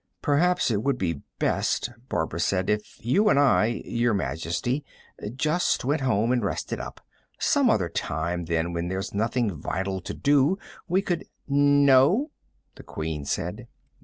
"Perhaps it would be best," Barbara said, "if you and I ... Your Majesty ... just went home and rested up. Some other time, then, when there's nothing vital to do, we could " "No," the Queen said.